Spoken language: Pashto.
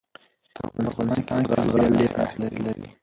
په افغانستان کې زغال ډېر اهمیت لري.